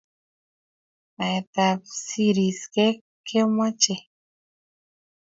Naet tab siresgek kemachei